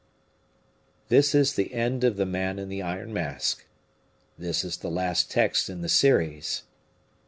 End of The Man in the Iron Mask. This is the last text in the series.